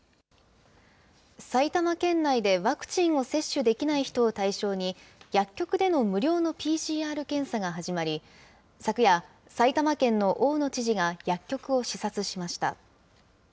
埼玉県内でワクチンを接種できない人を対象に、薬局での無料のＰＣＲ検査が始まり、昨夜、埼玉県の大野知事が薬局を視察しました。